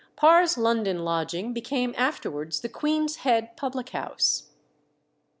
Parr's London lodging became afterwards the Queen's Head public house.